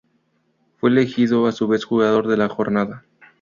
Fue elegido a su vez jugador de la jornada.